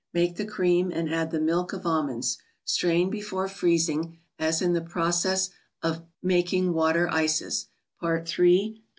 Make the cream and add the " Milk of Almonds." Strain be¬ fore freezing, as in the " Process of Making Water Ices," Part III., p.